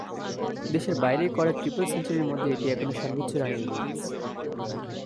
দেশের বাইরে করা ট্রিপল সেঞ্চুরির মধ্যে এটি এখনো সর্বোচ্চ রানের ইনিংস।